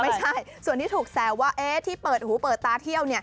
ไม่ใช่ส่วนที่ถูกแซวว่าที่เปิดหูเปิดตาเที่ยว